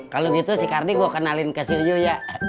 kalau gitu si kardi gua kenalin ke si uyuy ya